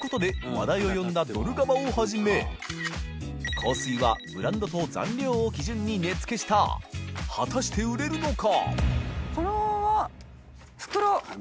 話題を呼んだドルガバをはじめ禮畤紊ブランドと残量を基準に値付けした祺未燭靴売れるのか？